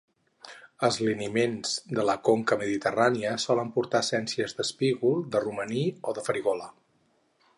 Els liniments de la conca mediterrània solen portar essències d'espígol, de romaní o de farigola.